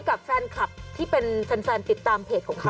กับแฟนคลับที่เป็นแฟนติดตามเพจของเขา